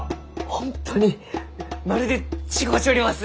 本当にまるで違うちょります！